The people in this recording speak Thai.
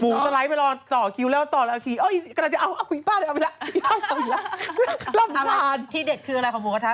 หมูสไลด์ไปรอ๒คิวแล้วต่อแล้วอีกอ้าวอีกป้าเลยเอาไปแล้ว